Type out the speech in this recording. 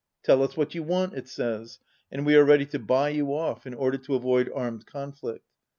"Tell us what you want," it says, "and we are ready to buy you off, in order to avoid armed conflict."